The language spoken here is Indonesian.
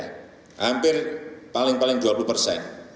hampir paling paling dua puluh persen